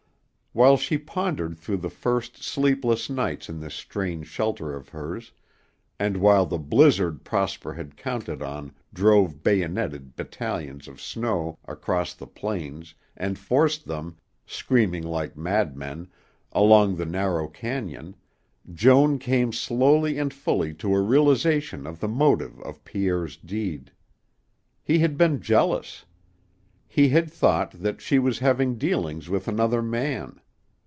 While she pondered through the first sleepless nights in this strange shelter of hers, and while the blizzard Prosper had counted on drove bayoneted battalions of snow across the plains and forced them, screaming like madmen, along the narrow cañon, Joan came slowly and fully to a realization of the motive of Pierre's deed. He had been jealous. He had thought that she was having dealings with another man.